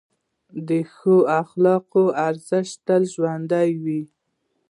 د ښو اخلاقو ارزښت تل ژوندی وي.